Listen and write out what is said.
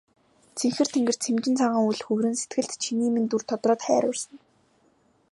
Цэнхэр тэнгэрт сэмжин цагаан үүл хөврөн сэтгэлд чиний минь дүр тодроод хайр урсана.